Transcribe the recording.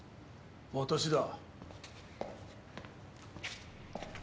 私だ。